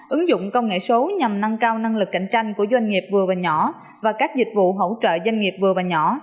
ứng dụng công nghệ số nhằm nâng cao năng lực cạnh tranh của doanh nghiệp vừa và nhỏ và các dịch vụ hỗ trợ doanh nghiệp vừa và nhỏ